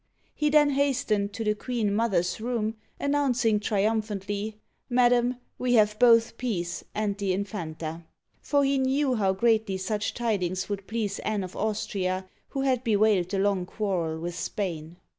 He then hastened to the queen mother's room, announcing triumphantly, "Madam, we Digitized by Google 326 OLD FRANCE have both peace and the Infanta!" for he knew how greatly such tidmgs would please Anne of Austria, who had bewailed the long quarrel with Spain.